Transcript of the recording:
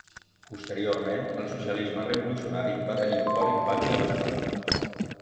Posteriorment, el socialisme revolucionari va tenir un fort impacte a l'estat.